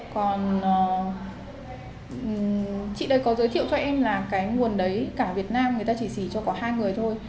còn chị đấy có giới thiệu cho em là cái nguồn đấy cả việt nam người ta chỉ xỉ cho có hai người thôi